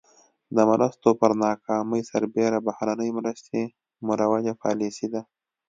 د مرستو پر ناکامۍ سربېره بهرنۍ مرستې مروجه پالیسي ده.